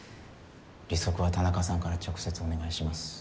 利息は田中さんから直接お願いします。